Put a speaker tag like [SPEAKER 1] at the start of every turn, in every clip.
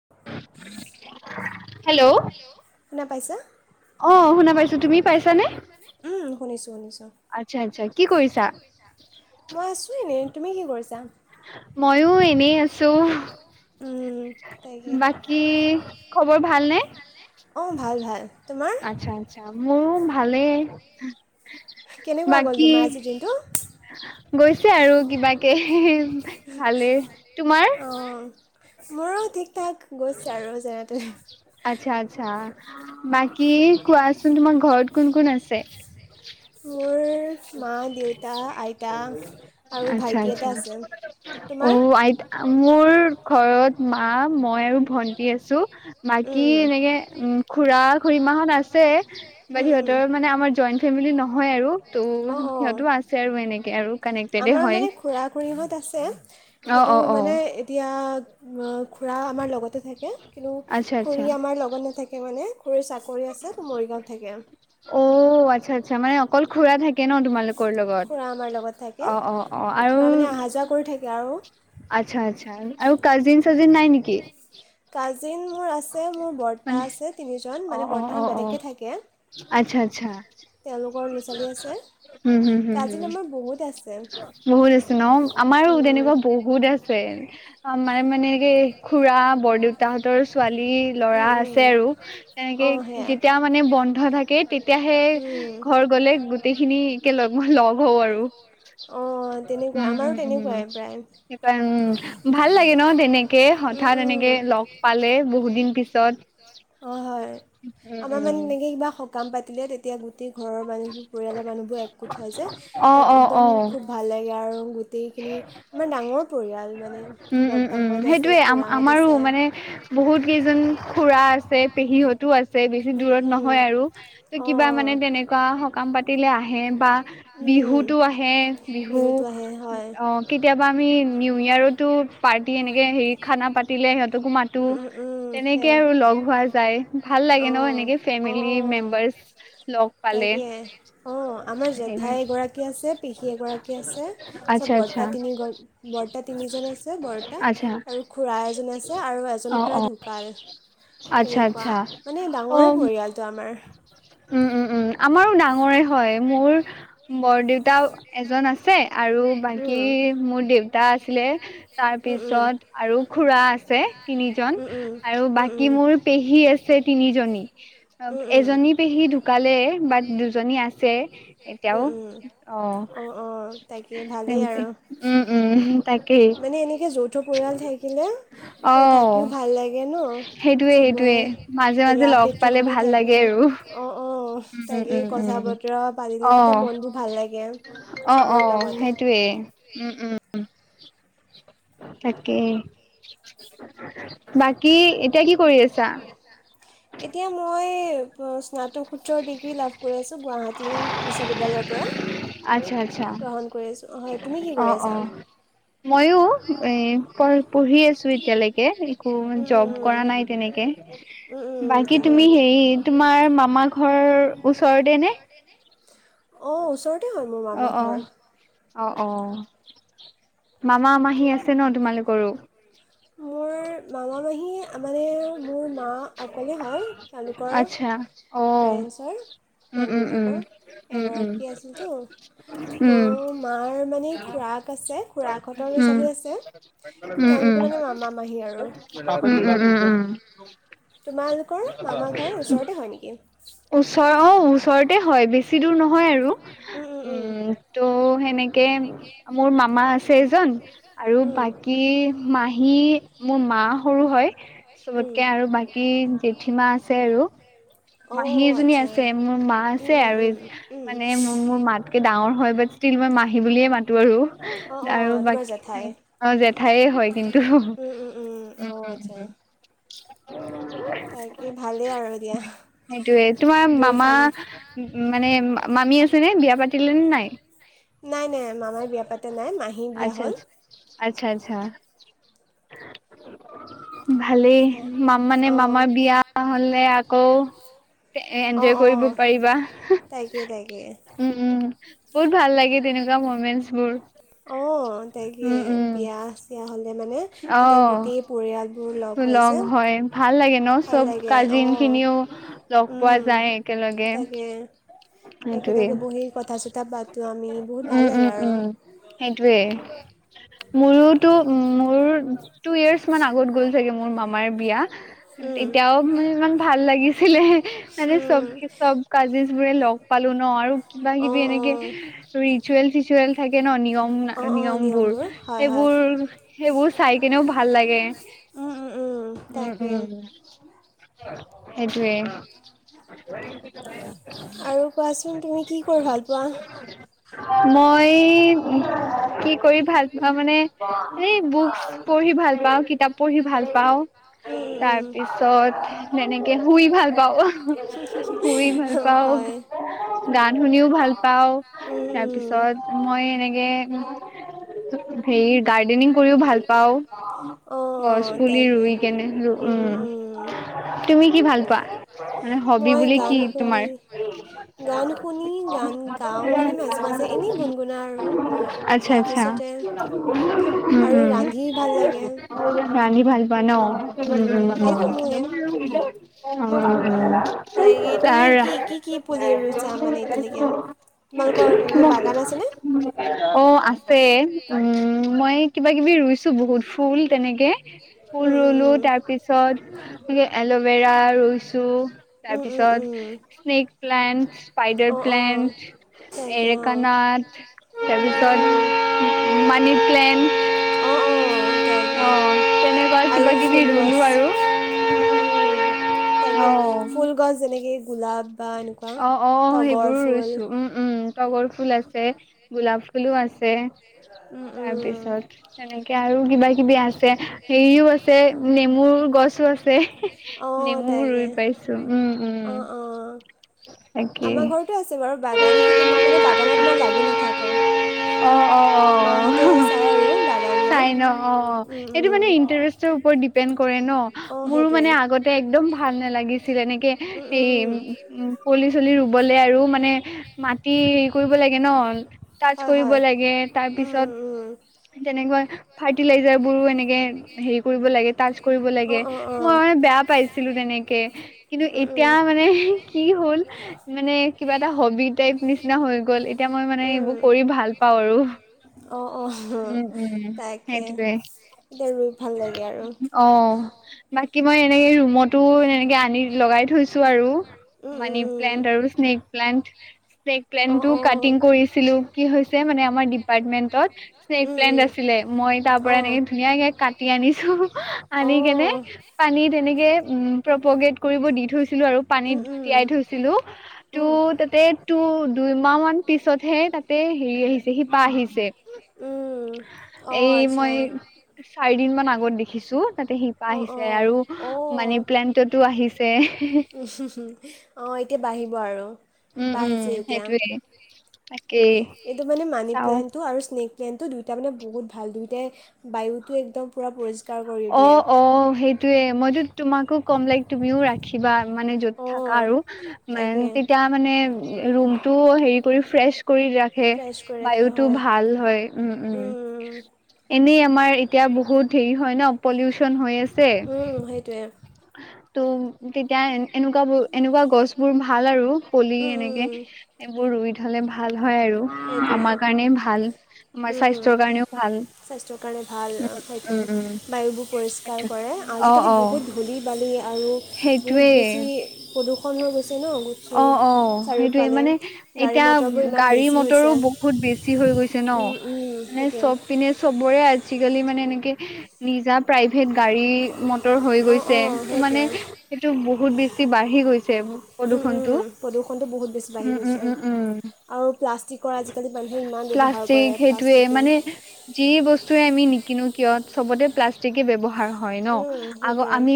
[SPEAKER 1] [inaudible]
[SPEAKER 2] Hello.
[SPEAKER 1] শুনা পাইছা?
[SPEAKER 2] অ', শুনা পাইছো, তুমি পাইছানে
[SPEAKER 1] উম, শুনিছোঁ শুনিছোঁ।
[SPEAKER 2] আচ্ছা আচ্ছা কি কৰিছা?
[SPEAKER 1] মই আছোঁ এনেই, তুমি কি কৰিছা?
[SPEAKER 2] ময়ো এনেই আছো।
[SPEAKER 1] উম, তাকে।
[SPEAKER 2] বাকী খবৰ ভালনে?
[SPEAKER 1] অ', ভাল ভাল। তোমাৰ?
[SPEAKER 2] আচ্ছা আচ্ছা মোৰো ভালেই।
[SPEAKER 1] কেনেকুৱা গ'ল
[SPEAKER 2] বাকী
[SPEAKER 1] তোমাৰ আজিৰ দিনটো?
[SPEAKER 2] গৈছে আৰু কিবাকে। ভালেই, তোমাৰ?
[SPEAKER 1] অঁ। মোৰো ঠিক ঠাক গৈছে আৰু যেনে তেনে।
[SPEAKER 2] আচ্ছা আচ্ছা বাকী কোৱাচোন তোমাৰ ঘৰত কোন কোন আছে?
[SPEAKER 1] মোৰ মা দেউতা আইতা আৰু
[SPEAKER 2] আচ্ছা
[SPEAKER 1] ভাইটি
[SPEAKER 2] আচ্ছা
[SPEAKER 1] এটা আছে। তোমাৰ?
[SPEAKER 2] অ' আইতা মোৰ ঘৰত মা মই আৰু ভন্টি আছো।
[SPEAKER 1] উম,
[SPEAKER 2] বাকী
[SPEAKER 1] উম।
[SPEAKER 2] এনেকে উম খুৰা খু়ৰীমাহঁত আছে।
[SPEAKER 1] উম,
[SPEAKER 2] বাকী সিহঁতৰ মানে আমাৰ জই ফেমিলি নহয় আৰু। ত'
[SPEAKER 1] অ', অ',
[SPEAKER 2] সিহঁতো
[SPEAKER 1] অ',
[SPEAKER 2] আছে আৰু এনেকে আৰু কানেক্টেডে
[SPEAKER 1] আমাৰ
[SPEAKER 2] হয়।
[SPEAKER 1] মানে খুৰা খুৰীহঁত আছে।
[SPEAKER 2] অ'
[SPEAKER 1] কিন্তু
[SPEAKER 2] অ' অ'
[SPEAKER 1] মানে এ এতিয়া অ' খুৰা আমাৰ লগতে থাকে কিন্তু
[SPEAKER 2] আচ্ছা আচ্ছা
[SPEAKER 1] খুৰী আমাৰ লগত নাথাকে। তেওঁ মানে খুৰীৰ চাকৰি আছে তে মৰিগাঁৱত থাকে।
[SPEAKER 2] অ', আচ্ছা আচ্ছা মানে অকল খুৰা থাকে ন তোমালোক লোকৰ লগত
[SPEAKER 1] খুৰা আমাৰ
[SPEAKER 2] অ' অ' অ' আৰু
[SPEAKER 1] চাকৰি ঠাইত [inaudible]
[SPEAKER 2] আচ্ছা আচ্ছা আৰু কাজিন চাজিন নাই নেকি?
[SPEAKER 1] কাজিন মোৰ আছে মোৰ বৰ্তা
[SPEAKER 2] মানে
[SPEAKER 1] আছে তিনিজন
[SPEAKER 2] অ'
[SPEAKER 1] মানে
[SPEAKER 2] অ' অ'
[SPEAKER 1] বৰ্তাহঁত
[SPEAKER 2] অ'
[SPEAKER 1] বেলেগকে থাকে।
[SPEAKER 2] আচ্ছা আচ্ছা।
[SPEAKER 1] তেওঁলোকৰ ল'ৰা ছোৱালী আছে।
[SPEAKER 2] উম, হম, হম,
[SPEAKER 1] কাজিন
[SPEAKER 2] হম,
[SPEAKER 1] আমাৰ বহুত আছে
[SPEAKER 2] বহুত আছে ন আমাৰো তেনেকুৱা বহুত
[SPEAKER 1] উম।
[SPEAKER 2] বহুত আছে। আমাৰ মানে কি খুৰা বৰদেউতাহঁতৰ ছোৱালী ল'ৰা আছে আৰু তেনেকে
[SPEAKER 1] আৰু সেই
[SPEAKER 2] যেতিয়া মানে বন্ধ থাকে তেতিয়াহে ঘৰ গ'লে গোট গোটেইখিনি একে লগ মই লগ হওঁ আৰু
[SPEAKER 1] অঁ
[SPEAKER 2] উম
[SPEAKER 1] তেনেকুৱাই আমাৰো
[SPEAKER 2] উম উম।
[SPEAKER 1] তেনেকুৱাই প্ৰায়
[SPEAKER 2] সেইকাৰণে উম ভাল লাগে ন তেনেকে হঠাৎ এনেকে লগ পালে বহুত দিন পিছ
[SPEAKER 1] দিন পিছত। অ হয়
[SPEAKER 2] উম
[SPEAKER 1] আমাৰ মানে
[SPEAKER 2] উম
[SPEAKER 1] এনেকে কিবা সকাম পাতিলে তেতিয়া গোট তেই ঘৰৰ মানুহবোৰ পৰিয়ালৰ মানুহবোৰ একগোট হয় যে
[SPEAKER 2] অ
[SPEAKER 1] তাক
[SPEAKER 2] অ
[SPEAKER 1] একদম
[SPEAKER 2] অ
[SPEAKER 1] খুব ভাল লাগে আৰু গোটেইখিনি আমাৰ ডাঙৰ পৰিয়াল মানে।
[SPEAKER 2] উম উম উম
[SPEAKER 1] বৰ্তাহঁত আছে
[SPEAKER 2] সেইটোয়ে
[SPEAKER 1] খুৰাহঁত
[SPEAKER 2] আম-আমাৰো
[SPEAKER 1] আছে
[SPEAKER 2] মানে বহুত কেইজন খুৰা আছে, পেহীহতো আছে বেছি
[SPEAKER 1] উম
[SPEAKER 2] দূৰত
[SPEAKER 1] উম
[SPEAKER 2] নহয় আৰু
[SPEAKER 1] অ
[SPEAKER 2] কিবা মানে তেনেকুৱা সকাম পাতিলে আহে বা
[SPEAKER 1] উম
[SPEAKER 2] বিহুতো আহে বিহু
[SPEAKER 1] বিহুতো আহে হয়
[SPEAKER 2] অ কেতিয়াবা আমি নিউ ইয়াৰতো পাৰ্টি এনেকে হেৰি খানা পাতিলে সিহঁতকো মাতো।
[SPEAKER 1] উম উম উম
[SPEAKER 2] তেনেকে
[SPEAKER 1] সেয়া
[SPEAKER 2] আৰু লগ হোৱা যায়, ভাল লাগে
[SPEAKER 1] অ
[SPEAKER 2] ন এনেকে
[SPEAKER 1] অ অ
[SPEAKER 2] ফেমিলি মেম্বাৰ্চ লগ পালে।
[SPEAKER 1] তাকে অ আমাৰ কে আছে তাপিছত
[SPEAKER 2] আচ্ছা আচ্ছা
[SPEAKER 1] বৰতা তিনি গ'ল বৰতা তিনি জন আছে বৰতা
[SPEAKER 2] আচ্ছা
[SPEAKER 1] আৰু খুৰা এজন আছে আৰু এজন
[SPEAKER 2] অ
[SPEAKER 1] খুৰা
[SPEAKER 2] অ
[SPEAKER 1] ঢুকাল
[SPEAKER 2] আচ্ছা
[SPEAKER 1] তেনেকুৱা
[SPEAKER 2] আচ্ছা
[SPEAKER 1] মানে ডাঙৰে
[SPEAKER 2] অ
[SPEAKER 1] পৰিয়ালটো আমাৰ।
[SPEAKER 2] উম উম উম উ আমাৰো ডাঙৰে হয় মোৰ বৰ দেউতা এজন আছে আৰু বাকী
[SPEAKER 1] উম।
[SPEAKER 2] মোৰ দেউতা আছিলে
[SPEAKER 1] উম, উম।
[SPEAKER 2] তাৰপিছত আৰু খুৰা আছে তিনিজন
[SPEAKER 1] উম, উম,
[SPEAKER 2] আৰু
[SPEAKER 1] উম,
[SPEAKER 2] বাকী
[SPEAKER 1] উম।
[SPEAKER 2] মোৰ পেহী আছে তিনিজনী। অ
[SPEAKER 1] উম, উম।
[SPEAKER 2] এজনী পেহী ঢুকালে বাত দুজনী আছে এতিয়াও।
[SPEAKER 1] উম, উম।
[SPEAKER 2] অ
[SPEAKER 1] অ', তাকে ভালেই
[SPEAKER 2] এনেকে
[SPEAKER 1] আৰু
[SPEAKER 2] উম উম। তাকেই
[SPEAKER 1] মানে এনেকে যৌথ পৰিয়াল
[SPEAKER 2] অ
[SPEAKER 1] থাকিলে থাকিও ভাল লাগে ন,
[SPEAKER 2] সেইটোয়ে সেইটোয়ে মাজে
[SPEAKER 1] চবৰে
[SPEAKER 2] মাজে
[SPEAKER 1] মিলা
[SPEAKER 2] লগ পালে
[SPEAKER 1] প্ৰীতিসমূহ
[SPEAKER 2] ভাল
[SPEAKER 1] থাকে
[SPEAKER 2] লাগে আৰু
[SPEAKER 1] অ অ
[SPEAKER 2] উম
[SPEAKER 1] তাকে
[SPEAKER 2] উম উম
[SPEAKER 1] কথা
[SPEAKER 2] উম
[SPEAKER 1] বতৰা
[SPEAKER 2] অ
[SPEAKER 1] পাতিলে তেতিয়া মন বোৰ ভাল লাগে।
[SPEAKER 2] অ
[SPEAKER 1] চবৰে
[SPEAKER 2] অ
[SPEAKER 1] লগতে।
[SPEAKER 2] সেইটয়ে উম উম। তাকেই বাকী এতিয়া কি কৰি আছা?
[SPEAKER 1] এতিয়া মই স্নাতকসোত্ৰৰ ডিগ্ৰী লাভ কৰি আছোঁ গুৱাহাটী বিশ্ববিদ্যালয়ৰ
[SPEAKER 2] আচ্ছা আচ্ছা
[SPEAKER 1] পৰা। গ্ৰহণ কৰি আছো হয়, তুমি কি কৰি আছা?
[SPEAKER 2] মইো এ পঢ়-পঢ়ি আছো এতিয়ালৈকে একো জব কৰা নাই তেনেকে।
[SPEAKER 1] উম
[SPEAKER 2] বাকী তুমি হেৰি তোমাৰ মামা ঘৰ ওচৰতে নে?
[SPEAKER 1] অ ওচৰতে হয় মোৰ
[SPEAKER 2] অ
[SPEAKER 1] মামা
[SPEAKER 2] অ
[SPEAKER 1] ঘৰ।
[SPEAKER 2] অ অ মামা মাহী আছে ন তোমালোকৰো?
[SPEAKER 1] মোৰ মামা মাহী মানে মোৰ মা অকলে হয় তেওঁলোকৰ
[SPEAKER 2] আচ্ছা অ
[SPEAKER 1] পেৰেণ্টছৰ।
[SPEAKER 2] উম
[SPEAKER 1] মাক
[SPEAKER 2] উম উম
[SPEAKER 1] দেউতাকৰ,
[SPEAKER 2] উম
[SPEAKER 1] এগৰাকী আছিলতো ত'
[SPEAKER 2] উম উম
[SPEAKER 1] মাৰ মানে খুৰাক আছে খুৰাকহঁতৰ
[SPEAKER 2] উম
[SPEAKER 1] ল'ৰা-ছোৱালী আছে
[SPEAKER 2] উম উম,
[SPEAKER 1] তেওঁলোকে মানে মামা মাহী আৰু
[SPEAKER 2] উম উম উম উম
[SPEAKER 1] তোমালোকৰ মামা ঘৰৰ ওচৰতে হয় নেকি?
[SPEAKER 2] অ ওচৰ ওচৰতে হয় বেছি দূৰ নহয় আৰু উম ত' সেনে কে মোৰ মামা আছে এজন আৰু
[SPEAKER 1] উম।
[SPEAKER 2] বাকী মাহী মোৰ মা সৰু হয়
[SPEAKER 1] উম
[SPEAKER 2] চবতকে আৰু বাকী জেঠী মা আছে আৰু।
[SPEAKER 1] অ
[SPEAKER 2] মাহীজনী
[SPEAKER 1] আচ্ছা
[SPEAKER 2] আছে, মোৰ মা
[SPEAKER 1] উম
[SPEAKER 2] আছে
[SPEAKER 1] উম
[SPEAKER 2] আৰু
[SPEAKER 1] উম উম।
[SPEAKER 2] মানে মো-মোৰ মাত তকে ডাঙৰ হয় বাট ষ্টিল মই মাহী বুলিয়ে মাতো আৰু,
[SPEAKER 1] অ অ
[SPEAKER 2] আৰু
[SPEAKER 1] তোমাৰ জেঠাই।
[SPEAKER 2] বাকী অ জেঠাইে হয় কিন্তু উ
[SPEAKER 1] উম উম উম অ
[SPEAKER 2] উ
[SPEAKER 1] আচ্ছা
[SPEAKER 2] উ [unintelligible]
[SPEAKER 1] তাকে ভালেই আৰু এতিয়া
[SPEAKER 2] সেইটোৱে তোমাৰ মামা মানে মামী আছেনে বিয়া পাতিলেনে নাই
[SPEAKER 1] নাই নাই মামাৰ বিয়া পাতা নাই মাহী বিয়া
[SPEAKER 2] আচ্ছা
[SPEAKER 1] হ'ল
[SPEAKER 2] আচ্ছা আচ্ছা ভালেই মাম মানে মামাৰ
[SPEAKER 1] অ
[SPEAKER 2] বিয়া হলে আকৌ এ এনজয়
[SPEAKER 1] অ',
[SPEAKER 2] কৰিব
[SPEAKER 1] অ',
[SPEAKER 2] পাৰিবা
[SPEAKER 1] তাকে তাকে
[SPEAKER 2] উম উম বহুত ভাল লাগে তেনেকুৱা মমেঞ্চ বোৰ উম উম
[SPEAKER 1] তেতিয়াহ'লে মানে তেতিয়া গোটেই
[SPEAKER 2] আহ
[SPEAKER 1] পৰিয়াল
[SPEAKER 2] লগ হয় ভাল লাগে ন
[SPEAKER 1] ভাল
[SPEAKER 2] চব
[SPEAKER 1] লাগে
[SPEAKER 2] কাজিন
[SPEAKER 1] অ',
[SPEAKER 2] খিনিও লগ পোৱা
[SPEAKER 1] উম,
[SPEAKER 2] যায়ে একেলগে
[SPEAKER 1] তাকে
[SPEAKER 2] সেইটোৱে
[SPEAKER 1] একেলগে বহি কথা চথা পাত
[SPEAKER 2] উম উম উম সেইটোৱেই মোৰোতো মোৰ টু ইয়াৰ্চ মান আগত গ'ল চাগে মোৰ মামাৰ বিয়া
[SPEAKER 1] উম।
[SPEAKER 2] তেতিয়াও মানে ইমান ভাল লাগিছিলে মানে
[SPEAKER 1] উম,
[SPEAKER 2] চব চব কাজিজ বোৰে লগ পালো ন আৰু কিবা কিবি
[SPEAKER 1] অ', অ'। অ',
[SPEAKER 2] এনেকে
[SPEAKER 1] অ', নিয়মবোৰ
[SPEAKER 2] ৰিচুৱেল চিচুৱেল থাকে ন নিয়ম
[SPEAKER 1] অঁ অঁ
[SPEAKER 2] নিয়মবোৰ
[SPEAKER 1] হয় হয়।
[SPEAKER 2] সেইবোৰ সেইবোৰ চাই কেনেও ভাল লাগে উম উম সেইটোৱে
[SPEAKER 1] আৰু কোৱাচোন তুমি কি কৰি ভাল পোৱা
[SPEAKER 2] মই কি কৰি ভাল পাওঁ মানে এই বুকচ্ পঢ়ি ভাল পাওঁ কিতাপ পঢ়ি ভাল পাওঁ
[SPEAKER 1] উম, উম,
[SPEAKER 2] তাৰ
[SPEAKER 1] উম।
[SPEAKER 2] পিছত তেনেকে শুই ভাল পাওঁ শুই ভাল পাওঁ
[SPEAKER 1] হয়।
[SPEAKER 2] গান শুনিও ভাল পাওঁ
[SPEAKER 1] উম, উম।
[SPEAKER 2] তাৰপিছত মই এনেকে হেই গাৰ্ডেনিং কৰিও ভাল পাও গছ
[SPEAKER 1] অ',
[SPEAKER 2] পুলি
[SPEAKER 1] তাকে।
[SPEAKER 2] ৰুই কেনে ৰু উম তুমি কি ভাল পোৱা মানে হবি
[SPEAKER 1] মই
[SPEAKER 2] বুলি কি
[SPEAKER 1] গান শুনি
[SPEAKER 2] তোমাৰ [unintelligible]
[SPEAKER 1] গান শুনি গান গাওঁ মানে মাজে মাজে এনেই গুণগুণাও আৰু।
[SPEAKER 2] আচ্ আচ্ছা আচ্ছা
[SPEAKER 1] তাৰপিছতে
[SPEAKER 2] উম
[SPEAKER 1] আৰু
[SPEAKER 2] উম
[SPEAKER 1] ৰান্ধি ভাল লাগে।
[SPEAKER 2] ৰান্ধি ভাল পোৱা ন উম উম উম অ অ অ
[SPEAKER 1] বাকী তুমি কি কি কি পুলি ৰুইচা মানে এতিয়ালেকে তোমালোকৰ তেনেকে বাগান আছেনে
[SPEAKER 2] অ আছে উম মই কিবা কিবি ৰুইছো বহুত ফুল তেনেকে ফুল
[SPEAKER 1] উম উম
[SPEAKER 2] ৰুলো
[SPEAKER 1] উম।
[SPEAKER 2] তাৰ পিছত এল'ভেৰা ৰুইছো
[SPEAKER 1] উম উম
[SPEAKER 2] তাৰপিছত
[SPEAKER 1] উম
[SPEAKER 2] স্নেক প্লেণ্ট স্পাইডাৰ
[SPEAKER 1] অঁ অঁ
[SPEAKER 2] প্লেণ্ট
[SPEAKER 1] তাকে অঁ।
[SPEAKER 2] এৰেকানাথ
[SPEAKER 1] উম উম উম
[SPEAKER 2] তাৰপিছত মানি প্লেণ্ট
[SPEAKER 1] অঁ অ তাকে
[SPEAKER 2] তেনেকুৱা কিবা
[SPEAKER 1] আৰু
[SPEAKER 2] কিবি
[SPEAKER 1] ফুল
[SPEAKER 2] ৰুলো
[SPEAKER 1] ৱাছ
[SPEAKER 2] আৰু।
[SPEAKER 1] উম উম উম তাকে
[SPEAKER 2] অ',
[SPEAKER 1] ফুল গছ যেনেকে গোলাপ বা এনেকুৱা
[SPEAKER 2] অ', অ',
[SPEAKER 1] তগৰ
[SPEAKER 2] সেইবোৰো
[SPEAKER 1] ফুল
[SPEAKER 2] ৰুইছো উম, উম তগৰ ফুল আছে গোলাপ ফুলো আছে
[SPEAKER 1] উম উম
[SPEAKER 2] তাৰপিছত তেনেকে আৰু কিবা কিবি আছে হেৰিও আছে নেমুৰ গছও আছে
[SPEAKER 1] অঁ
[SPEAKER 2] নেমুও
[SPEAKER 1] তাকে
[SPEAKER 2] ৰুই পাই ছো উম
[SPEAKER 1] অঁ অঁ।
[SPEAKER 2] উম তাকে
[SPEAKER 1] আমাৰ ঘৰতো আছে বাৰু বাগান, কিন্তু মই মানে বাগানত ইমান লাগি নাথাকো।
[SPEAKER 2] অ', অ', অ',
[SPEAKER 1] আৰু বাগানৰ
[SPEAKER 2] চাই ন অ', অ',
[SPEAKER 1] উম
[SPEAKER 2] এইটো মানে
[SPEAKER 1] উম
[SPEAKER 2] ইণ্টাৰেষ্টৰ ওপৰত দীপ পেন কৰে ন,
[SPEAKER 1] অঁ
[SPEAKER 2] মোৰো
[SPEAKER 1] সেইটোৱে।
[SPEAKER 2] মানে আগতে একদম ভাল নালাগিছিল এনেকে
[SPEAKER 1] উম
[SPEAKER 2] হেৰী।
[SPEAKER 1] উম
[SPEAKER 2] উম পুলি চুলি ৰুবলে আৰু মানে মাটি হেৰি কৰিব লাগে ন। টাচ
[SPEAKER 1] হয়
[SPEAKER 2] কৰিব
[SPEAKER 1] হয়
[SPEAKER 2] তাৰ
[SPEAKER 1] উম
[SPEAKER 2] পিছত
[SPEAKER 1] উম উম।
[SPEAKER 2] তেনেকৈ ফাৰ্টিলাইজাৰবোৰো এনেকে হেৰি কৰিব লাগে, টাচ কৰিব লাগে।
[SPEAKER 1] অঁ অঁ
[SPEAKER 2] মই
[SPEAKER 1] অঁ।
[SPEAKER 2] মানে বেয়া পাইছিলো তেনেকে, কিন্তু
[SPEAKER 1] উম
[SPEAKER 2] এতিয়া
[SPEAKER 1] উম।
[SPEAKER 2] মানে কি হ'ল মানে কিবা এটা হবি টাইপ নিচিনা হৈ গ'ল, এতিয়া মই মানে এইবোৰ কৰি ভাল পাওঁ আৰু।
[SPEAKER 1] অ', অ',
[SPEAKER 2] উম উম
[SPEAKER 1] তাকে,
[SPEAKER 2] সেইটোৱে
[SPEAKER 1] এতিয়া ৰুই ভাল লাগে আৰু।
[SPEAKER 2] অ', বাকী মই এনেকে ৰুমতো এনেকে আনি লগাই থৈছো আৰু। মানি
[SPEAKER 1] উম উম উম।
[SPEAKER 2] প্লেণ্ট আৰু স্নেক প্লেণ্ট, স্নেক
[SPEAKER 1] অ
[SPEAKER 2] প্লেণ্টটো
[SPEAKER 1] অ।
[SPEAKER 2] কাটিং কৰিছিলো। কি হৈছে মানে আমাৰ ডিপাৰ্টমেন্টত স্নেক
[SPEAKER 1] উম
[SPEAKER 2] প্লেন্ট
[SPEAKER 1] উম
[SPEAKER 2] আছিলে, মই তাৰ
[SPEAKER 1] অ। অ।
[SPEAKER 2] পৰা এনেকে ধুনীয়াকে কাটি আনিছো, আনি কেনে। পানীত এনেকে উম প্ৰপগেট কৰিব দি থৈছিলো আৰু
[SPEAKER 1] উম
[SPEAKER 2] পানীত
[SPEAKER 1] উম
[SPEAKER 2] তিয়াই থৈছিলো টো
[SPEAKER 1] উম।
[SPEAKER 2] তাতে তো দুইমাহ মান পিছতহে তাতে হেৰি আহিছ শিপা আহিছে,
[SPEAKER 1] উম অ
[SPEAKER 2] এই
[SPEAKER 1] আচ্ছা।
[SPEAKER 2] মই চাৰি দিন মান আগত দেখিছোঁ, তাতে শি পা
[SPEAKER 1] অ অ
[SPEAKER 2] আহিছে আৰু
[SPEAKER 1] অ।
[SPEAKER 2] মানি প্লেন্টতো আহিছে।
[SPEAKER 1] অ', এতিয়া বাঢ়িব আৰু
[SPEAKER 2] উম
[SPEAKER 1] শিপা
[SPEAKER 2] উম
[SPEAKER 1] আহিছে এতিয়া।
[SPEAKER 2] সেইটোৱে তাকেই
[SPEAKER 1] এইটো মানে মানি
[SPEAKER 2] চাও
[SPEAKER 1] প্লণ্ট টো আৰু স্নেক প্লেনটো দুয়োটা মানে বহুত ভাল, দুয়োটাই বায়ুটো একদম পুৰা পৰিষ্কাৰ কৰি দিয়ে।
[SPEAKER 2] টোৱে মইতো তোমাকো ক'ম, লাইক তুমিও ৰাখিবা মানে য'ত থাকা
[SPEAKER 1] অঁ
[SPEAKER 2] আৰু মানে
[SPEAKER 1] তাকে।
[SPEAKER 2] তেতিয়া তাৰ মানে ৰুম টো হেৰি কৰি ফ্ৰেচ কৰি ৰাখে
[SPEAKER 1] ফ্ৰেছ কৰি ৰাখে
[SPEAKER 2] বায়ুটো
[SPEAKER 1] হয়,
[SPEAKER 2] ভাল হয়। উম উম, এনেই। আমাৰ এতিয়া বহুত হেৰি হয় ন পলিউচন হৈ আছে।
[SPEAKER 1] উম সেইটোৱে।
[SPEAKER 2] তোম তেতিয়া এন-এনেকুৱা বোৰ এনেকুৱা গছ বোৰ ভাল আৰু পলি
[SPEAKER 1] উম
[SPEAKER 2] এনেকে
[SPEAKER 1] উম
[SPEAKER 2] এইবোৰ ৰুই থলে ভাল হয় আৰু।
[SPEAKER 1] সেইটোৱে
[SPEAKER 2] আমাৰ কাৰণে ভাল, আমাৰ
[SPEAKER 1] উম।
[SPEAKER 2] স্বাস্থ্যৰ কাৰণেও ভাল।
[SPEAKER 1] স্বাস্থ্যৰ কাৰণে ভাল, অ',
[SPEAKER 2] উম উম
[SPEAKER 1] সেইটোৱে বায়ুবোৰ পৰিষ্কাৰ
[SPEAKER 2] সেইটো
[SPEAKER 1] কৰে,
[SPEAKER 2] অ
[SPEAKER 1] আজিকালি
[SPEAKER 2] অ
[SPEAKER 1] বহুত ধূলি বালি। আৰু
[SPEAKER 2] সেইটোৱে
[SPEAKER 1] বহুত বেছি প্ৰদূষণ হৈ গৈছে ন গোট
[SPEAKER 2] অ
[SPEAKER 1] চো
[SPEAKER 2] অ সেইটোৱে
[SPEAKER 1] চাৰিওফালে।
[SPEAKER 2] মানে
[SPEAKER 1] গাড়ী
[SPEAKER 2] এতিয়া
[SPEAKER 1] মটৰবোৰ ইমান
[SPEAKER 2] গাড়ী
[SPEAKER 1] বেছি
[SPEAKER 2] মটৰো
[SPEAKER 1] হৈছে
[SPEAKER 2] বহুত বেছি হৈ গৈছে ন, মানে
[SPEAKER 1] সেইটোৱে
[SPEAKER 2] চব পিনে চবৰে আজিকালি মানে এনেকে নিজা প্ৰাইভেট গাড়ী-মটৰ হৈ
[SPEAKER 1] অঁ
[SPEAKER 2] গৈছ চে,
[SPEAKER 1] অঁ
[SPEAKER 2] মানে
[SPEAKER 1] সেইটোৱে
[SPEAKER 2] সেইটো বহুত বেছি বাঢ়ি গৈছ। চে প্ৰদূষণ টো,
[SPEAKER 1] প্ৰদূষণটো বহুত বেছি বাঢ়ি
[SPEAKER 2] উম, উম,
[SPEAKER 1] গৈছে
[SPEAKER 2] উম, উম।
[SPEAKER 1] আৰু প্লা
[SPEAKER 2] প্লাষ্টিক সেইটোৱে
[SPEAKER 1] প্লাষ্টিকে
[SPEAKER 2] মানে। যি বস্তুৱে আমি নিকিনো কিয়, চবতে প্লাষ্টিকে ব্যৱহাৰ হ হয় ন আগ
[SPEAKER 1] সেইটোৱে
[SPEAKER 2] আমি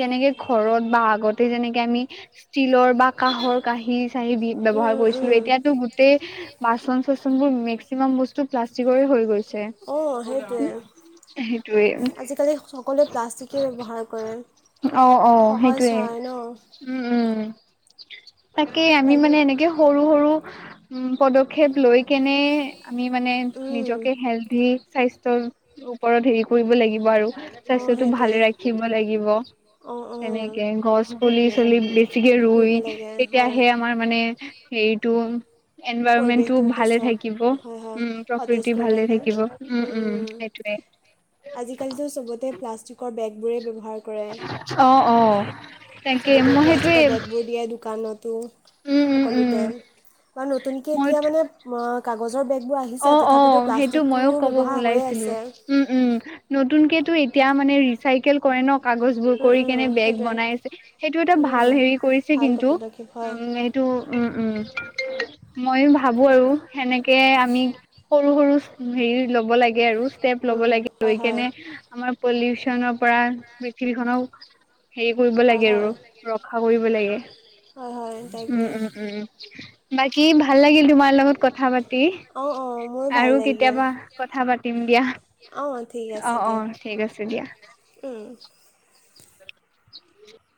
[SPEAKER 2] যেনেকে ঘৰত বা আ গতেই যেনেকে আমি ষ্টীলৰ বা কাঁহৰ কাঁহী চাঁহি বি
[SPEAKER 1] উম,
[SPEAKER 2] ব্যৱহাৰ
[SPEAKER 1] উম,
[SPEAKER 2] কৰিছিলো
[SPEAKER 1] উম।
[SPEAKER 2] এতিয়াতো গোটেই বাচন চাচন বোৰ মেক্সিমাম বস্তু প্লাষ্টিকৰে হৈ গৈছে।
[SPEAKER 1] অঁ সেইটোৱে
[SPEAKER 2] [unintelligible] সেইটোৱে। অ',
[SPEAKER 1] আজিকালি সকলোৱে প্লাষ্টিকেই ব্যৱহাৰ কৰে
[SPEAKER 2] অ',
[SPEAKER 1] সহজ
[SPEAKER 2] সেইটোৱে।
[SPEAKER 1] হয় ন
[SPEAKER 2] উম, উম। তাকে আমি মানে এনেকে সৰু, সৰু উম, পদক্ষেপ লৈ কেনে আমি মানে
[SPEAKER 1] উম
[SPEAKER 2] নিজকে হেলডি স্বাস্থ্য ওপৰত হেৰি কৰিব লাগিব আৰু
[SPEAKER 1] অ
[SPEAKER 2] স্বাস্থ্যয়টো
[SPEAKER 1] সেইটোৱে
[SPEAKER 2] ভালে ৰাখিব লাগিব।
[SPEAKER 1] অ অ
[SPEAKER 2] তেনেকে গছ পুলি চুলি বেছিকে
[SPEAKER 1] ৰুব
[SPEAKER 2] ৰুই
[SPEAKER 1] লাগে হয়
[SPEAKER 2] তেতিয়াহে আমাৰ মানে হেৰিটো এনভাইৰনমেন্টটো
[SPEAKER 1] পৰিৱেশটো সুস্থ
[SPEAKER 2] ভালে থাকিব
[SPEAKER 1] হয় হয়
[SPEAKER 2] উম,
[SPEAKER 1] সতেজ
[SPEAKER 2] প্ৰকৃতি
[SPEAKER 1] কৰি
[SPEAKER 2] ভালে
[SPEAKER 1] ৰাখে
[SPEAKER 2] থাকিব উম, উম, সেইটোয়ে।
[SPEAKER 1] আজিকালিতো চবতে প্লাষ্টিকৰ বেগবোৰে ব্যয়ৱহাৰ
[SPEAKER 2] অ', অ'। তাকে
[SPEAKER 1] চবতে
[SPEAKER 2] মই সেইটোৱে
[SPEAKER 1] প্লাষ্টিকৰ বেগবোৰ দিয়ে দোকানতো।
[SPEAKER 2] উম উম উম
[SPEAKER 1] সকলোতে। বা নতুনকে
[SPEAKER 2] মই
[SPEAKER 1] এতিয়া মানে কাগজৰ বেগবোৰ
[SPEAKER 2] অ
[SPEAKER 1] আহিছে,
[SPEAKER 2] অ
[SPEAKER 1] তথাপিতো
[SPEAKER 2] সেইটো মইয়ো
[SPEAKER 1] প্লাষ্টিকটোও
[SPEAKER 2] ক'ব
[SPEAKER 1] ব্যৱহাৰ হৈয়ে
[SPEAKER 2] ওলাইছিলো
[SPEAKER 1] আছে।
[SPEAKER 2] উম, উম। নতুনকেতো এতিয়া মানে ৰি চাইকেল কৰে ন কাগজ বোৰ
[SPEAKER 1] উম
[SPEAKER 2] কৰি
[SPEAKER 1] উম
[SPEAKER 2] কেনে বেগ
[SPEAKER 1] সেইটোৱে
[SPEAKER 2] বনাই সেইটো এটা
[SPEAKER 1] উম
[SPEAKER 2] ভাল হেৰি কৰিছে
[SPEAKER 1] ভাল
[SPEAKER 2] কিন্তু।
[SPEAKER 1] কপিল হয়।
[SPEAKER 2] ত উম, উম। ময়ো ভাবো আৰু সেনেকে আমি সৰু, সৰু হেৰি ল'ব লাগে আৰু ষ্টেপ লব
[SPEAKER 1] উম,
[SPEAKER 2] লাগে।
[SPEAKER 1] হয়
[SPEAKER 2] লৈ
[SPEAKER 1] হয়,
[SPEAKER 2] কেনে আমাৰ পলিউচনৰ পৰা পৃথিৱী খনক হেৰি কৰিব
[SPEAKER 1] হয়
[SPEAKER 2] লাগে আৰু
[SPEAKER 1] হয়,
[SPEAKER 2] ৰক্ষা কৰিব লাগে।
[SPEAKER 1] হয়, হয়।
[SPEAKER 2] উম,
[SPEAKER 1] তাকে।
[SPEAKER 2] উম, উম। বাকী ভাল লাগিল তোমাৰ লগত কথা পাতি।
[SPEAKER 1] অ', অ', মোৰো ভাল
[SPEAKER 2] আৰু
[SPEAKER 1] লাগিল,
[SPEAKER 2] কেতিয়াবা কথা পাতিম দিয়া।
[SPEAKER 1] অ', ঠিক
[SPEAKER 2] অ',
[SPEAKER 1] আছে দিয়া,
[SPEAKER 2] অ', থিক আছে দিয়া।
[SPEAKER 1] উম।
[SPEAKER 2] [unintelligible]